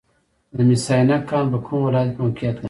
د مس عینک کان په کوم ولایت کې موقعیت لري؟